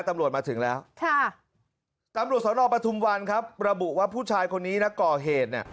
ตำรวจมาถึงแล้วค่ะตำรวจสนปทุมวันครับระบุว่าผู้ชายคนนี้นะก่อเหตุเนี่ย